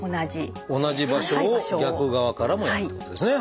同じ場所を逆側からもやるってことですね。